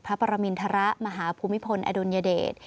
พระปรมินทรมาหาภูมิพลอดุลยเดช